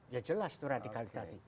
ya jelas itu radikalisasi